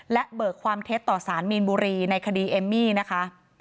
และเบิกความเท็จต่อสารมีนบุรีในคดีเอมมี่นะคะ